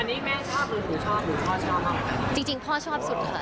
อันนี้แม่ชอบหรือคุณพ่อชอบหรือคุณพ่อชอบมาก